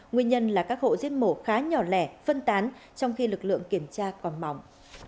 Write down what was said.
nguyên nhân là các hộ giết mổ khá nhỏ lẻ phân tán trong khi lực lượng kiểm tra còn mỏng